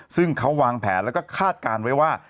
ซึ่งเขาวางแผนแล้วก็คาดการณ์ไว้ว่า